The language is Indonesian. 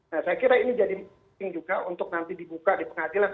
nah saya kira ini jadi penting juga untuk nanti dibuka di pengadilan